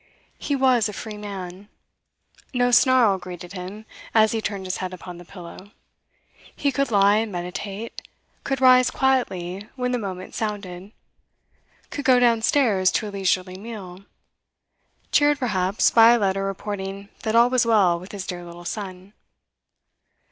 He was a free man. No snarl greeted him as he turned his head upon the pillow; he could lie and meditate, could rise quietly when the moment sounded, could go downstairs to a leisurely meal, cheered perhaps by a letter reporting that all was well with his dear little son.